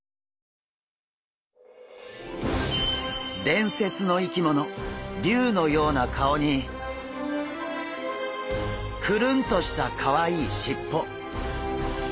伝説の生き物竜のような顔にクルンとしたかわいいしっぽ。